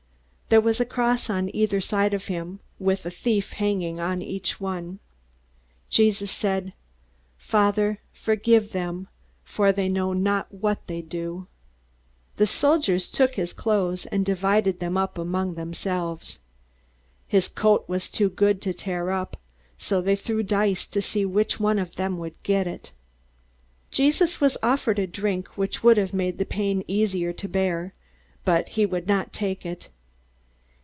There was a cross on either side of him, with a thief hanging on each one. Jesus said, "Father, forgive them; for they know not what they do." The soldiers took his clothes, and divided them up among themselves. His coat was too good to tear up, so they threw dice to see which one of them would get it. Jesus was offered a drink which would have made the pain easier to bear, but he would not take it.